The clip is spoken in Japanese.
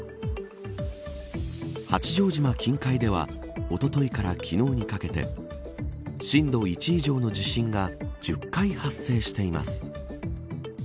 八丈島近海ではおとといから昨日にかけて震度１以上の地震が１０回発生しています。